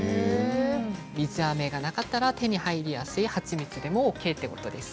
水あめがなかったら手に入りやすい蜂蜜でもＯＫということです。